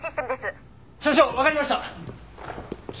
所長わかりました！